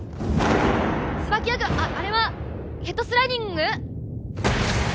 椿谷くんあれはヘッドスライディング？